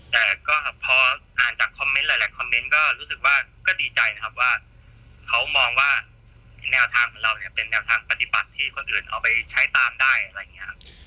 แต่ก็พออ่านจากคอมเมนต์หลายคอมเมนต์ก็รู้สึกว่าก็ดีใจนะครับว่าเขามองว่าแนวทางของเราเนี่ยเป็นแนวทางปฏิบัติที่คนอื่นเอาไปใช้ตามได้อะไรอย่างนี้ครับ